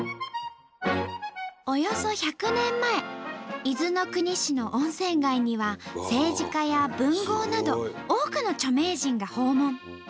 およそ１００年前伊豆の国市の温泉街には政治家や文豪など多くの著名人が訪問。